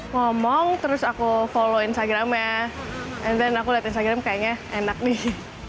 ngomong terus aku follow instagramnya and then aku lihat instagram kayaknya enak nih